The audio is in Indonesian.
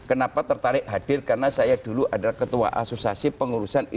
saya kenapa tertarik hadir karena saya dulu adalah ketua asosiasi pengurusan izin kerja tenaga asing se indonesia